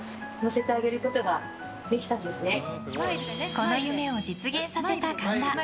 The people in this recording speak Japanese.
この夢を実現させた神田。